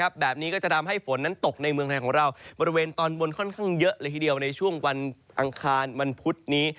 แบบนี้ก็จะทำให้ฝนนั้นตกในเมืองไทยของเราบริเวณตอนบนค่อนข้างเยอะเลยทีเดียวในช่วงวันอังคารวันพุธนี้